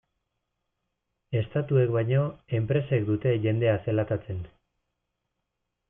Estatuek baino, enpresek dute jendea zelatatzen.